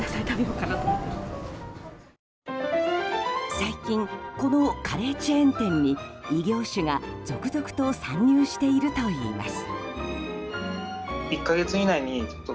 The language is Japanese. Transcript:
最近、このカレーチェーン店に異業種が続々と参入しているといいます。